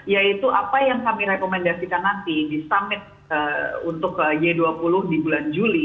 yaitu apa yang kami rekomendasikan nanti di summit untuk g dua puluh di bulan juli